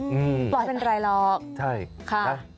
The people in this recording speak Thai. ปลอดภัยเป็นไรหรอก